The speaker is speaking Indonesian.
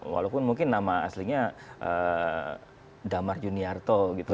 walaupun mungkin nama aslinya damar juniarto gitu